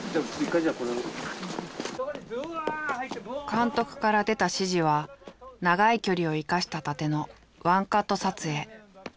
監督から出た指示は長い距離を生かした殺陣の１カット撮影。